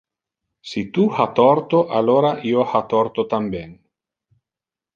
Si tu ha torto, alora io ha torto tamben.